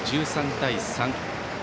１３対３。